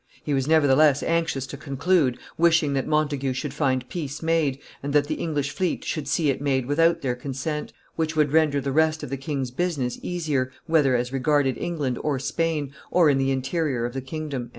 "He was nevertheless anxious to conclude, wishing that Montagu should find peace made, and that the English fleet should see it made without their consent, which would render the rest of the king's business easier, whether as regarded England or Spain, or the interior of the kingdom."